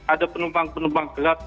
ada penumpang penumpang gelap